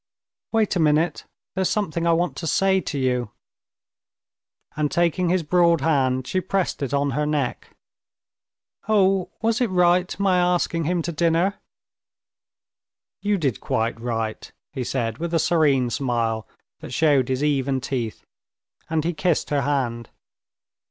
"Wait a minute, there's something I want to say to you," and taking his broad hand she pressed it on her neck. "Oh, was it right my asking him to dinner?" "You did quite right," he said with a serene smile that showed his even teeth, and he kissed her hand.